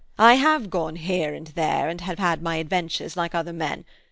I have gone here and there, and have had my adventures like other men.